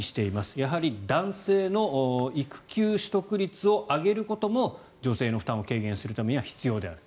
やはり男性の育休取得率を上げることも女性の負担を軽減するためには必要であると。